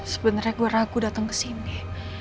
sebenernya gue ragu dateng kesini